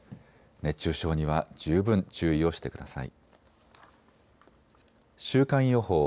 熱中症には十分注意をしてください。